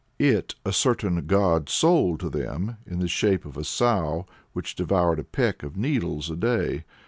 It a certain god sold to them, in the shape of a sow which devoured a peck of needles a day.